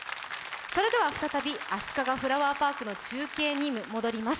再び、あしかがフラワーパークの中継に戻ります。